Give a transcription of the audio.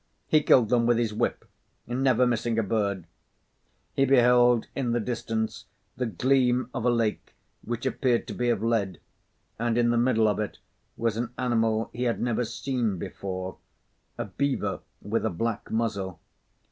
He killed them with his whip, never missing a bird. He beheld in the distance the gleam of a lake which appeared to be of lead, and in the middle of it was an animal he had never seen before, a beaver with a black muzzle.